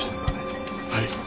はい。